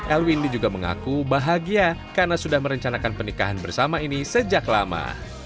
elwindi juga mengaku bahagia karena sudah merencanakan pernikahan bersama ini sejak lama